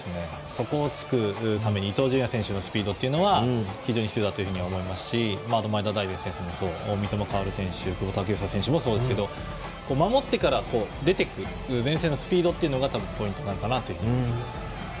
そこを突くために伊東純也選手のスピードは非常に必要だと思いますし前田大然選手や三笘薫選手もそうですけど守ってから出て行く前線のスピードがポイントになるかなと思います。